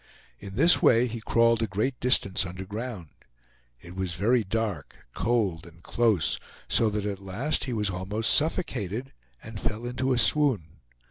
In this way he crawled a great distance underground. It was very dark, cold and close, so that at last he was almost suffocated, and fell into a swoon.